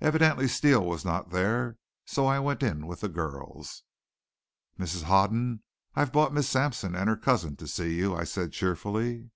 Evidently Steele was not there, so I went in with the girls. "Mrs. Hoden, I've brought Miss Sampson and her cousin to see you," I said cheerfully.